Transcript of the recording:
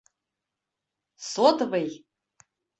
Сотовый!